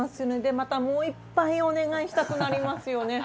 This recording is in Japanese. またもう１杯お願いしたくなりますよね。